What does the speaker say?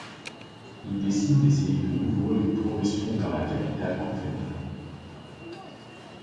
Il décide d'essayer de nouveau une progression vers la capitale confédérée.